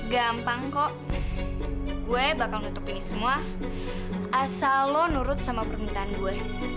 gampang kok gue bakal nutup ini semua asal lo nurut sama permintaan gue